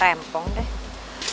eeeh pergi enggak pergi